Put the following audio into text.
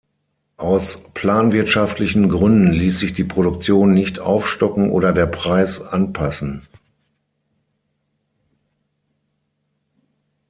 Aus planwirtschaftlichen Gründen ließ sich die Produktion nicht aufstocken oder der Preis anpassen.